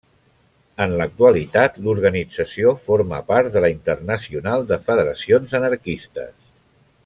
En l'actualitat l'organització forma part de la Internacional de Federacions Anarquistes.